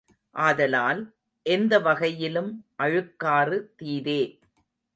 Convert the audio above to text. ஆதலால், எந்த வகையிலும் அழுக்காறு தீதே.